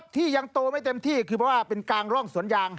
ที่ยังโตไม่เต็มที่คือเป็นกังร่องสวนยาง